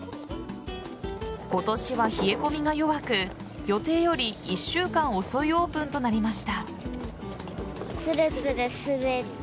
今年は冷え込みが弱く予定より１週間遅いオープンとなりました。